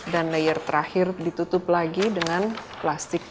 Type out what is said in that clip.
dan layer terakhir ditutup lagi dengan plastik